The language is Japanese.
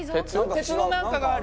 鉄の何かがある。